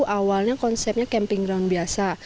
awalnya konsepnya camping ground biasa